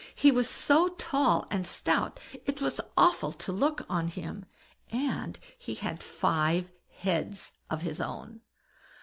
He was so tall and stout it was awful to look on him, and he had five heads of his own.